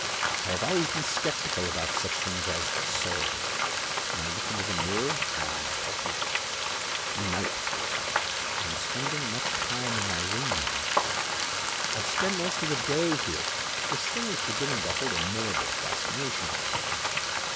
I have always been skeptical about such things as "soul," but when I look into the mirror God help me! Night: I am spending much time in my room now. I've spent most of the day here. This thing is beginning to hold a morbid fascination for me.